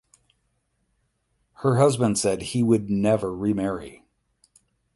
Her husband said he would never remarry.